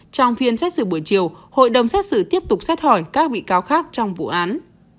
trong phiên xét xử buổi chiều hội đồng xét xử tiếp tục xét hỏi các bị cáo khác trong vụ án